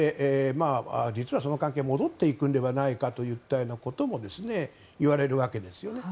実はその関係が戻っていくのではないかということも言われるんです。